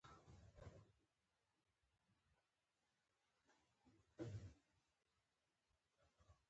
ازادي راډیو د ورزش په اړه د ننګونو یادونه کړې.